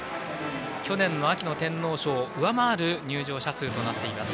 去年の秋の天皇賞を上回る入場者数となっています